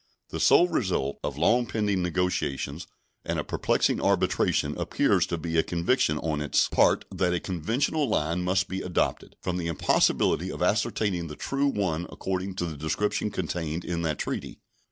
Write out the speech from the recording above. The sole result of long pending negotiations and a perplexing arbitration appears to be a conviction on its part that a conventional line must be adopted, from the impossibility of ascertaining the true one according to the description contained in that treaty.